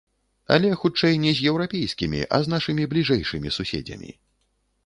Але хутчэй не з еўрапейскімі, а з нашымі бліжэйшымі суседзямі.